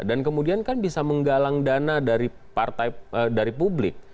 dan kemudian kan bisa menggalang dana dari publik